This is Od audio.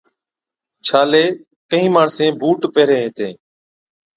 ڇالي (Corns) ڪهِين ماڻسين بُوٽ پيهرين هِتين،